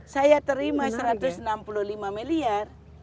saya terima rp satu ratus enam puluh lima miliar